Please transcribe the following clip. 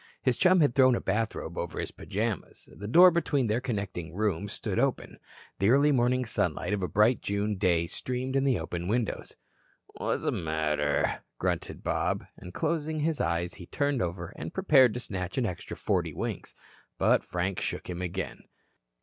His chum had thrown a bathrobe over his pajamas. The door between their connecting rooms stood open. The early morning sunlight of a bright June day streamed in the open windows. "Whazzamatter?" grunted Bob, and closing his eyes he turned over and prepared to snatch an extra forty winks. But Frank shook him again.